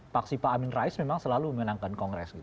faksi pak amin rais memang selalu menangkan kongres